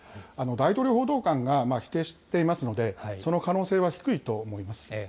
大統領報道官が否定していますので、その可能性は低いと思います。